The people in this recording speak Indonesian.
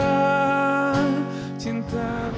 kamu bisa berkata kata